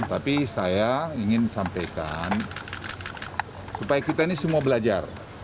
tapi saya ingin sampaikan supaya kita ini semua belajar